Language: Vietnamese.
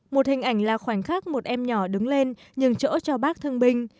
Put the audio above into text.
một hình ảnh là khoảnh khắc một em nhỏ đứng lên nhường chỗ cho bác thương binh